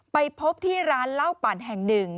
ไปพบที่ร้านเหล้าปั่นแห่งหนึ่ง